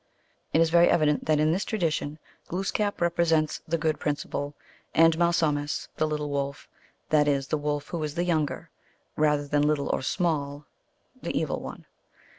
It is very evident that in this tradition Glooskap represents the Good principle, and Malsumsis, the lit tle wolf, that is the Wolf who is the Younger, rather than little or small, the Evil one.